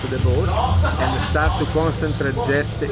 dan mulai mengfokus pada mengorganisasi segalanya